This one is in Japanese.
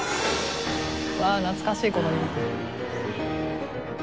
わあ懐かしいこのリンク。